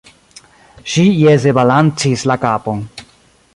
Ŝi jese balancis la kapon.